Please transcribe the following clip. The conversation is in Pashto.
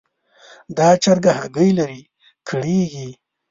دا چرګه هګۍ لري؛ کړېږي.